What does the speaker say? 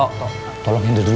kita harganya kemari